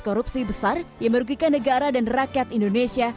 korupsi besar yang merugikan negara dan rakyat indonesia